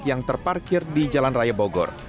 yang terparkir di jalan raya bogor